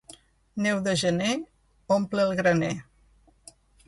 Neu de gener omple el graner.